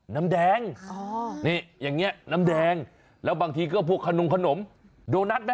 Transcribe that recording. น้ำแดงนี่อย่างนี้น้ำแดงแล้วบางทีก็พวกขนมโดนัทไหม